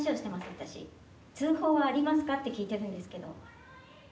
私通報はありますか？って聞いてるんですけど」